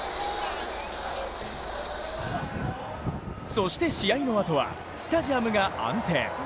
そして試合のあとはスタジアムが暗転。